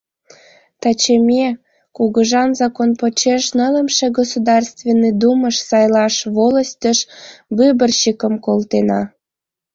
Таче ме, кугыжан закон почеш Нылымше Государственный думыш сайлаш волостьыш выборщикым колтена.